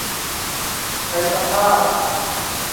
ใช้ซักผ้า ?